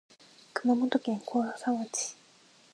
熊本県甲佐町